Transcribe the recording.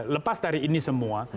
lepas dari ini semua